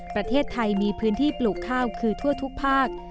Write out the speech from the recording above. ประเทศไทยมีพื้นที่ปลูกข้าวคือทั่วทุกภาค